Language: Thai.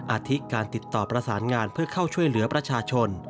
อาทิตการติดต่อประสานงานเพื่อเข้าช่วยเหลือประชาชน